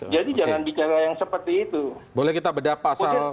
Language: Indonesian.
jadi jangan bicara yang seperti itu